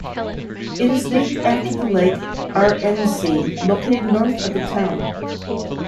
It is named after the lake Arendsee, located north of the town.